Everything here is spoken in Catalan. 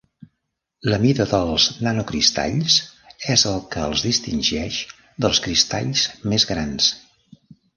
La mida dels nanocristalls és el que els distingeix dels cristalls més grans.